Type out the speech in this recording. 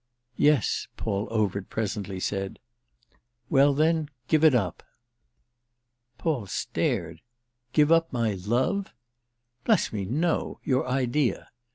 "Yes," Paul Overt presently said. "Well then give it up." Paul stared. "Give up my 'love'?" "Bless me, no. Your idea."